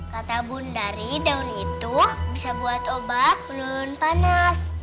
kata bunda dari daun itu bisa buat obat menurun panas